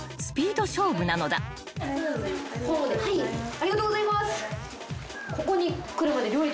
ありがとうございます。